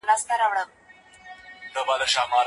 خپل فکر د ټولني له واقعيتونو سره وتړئ.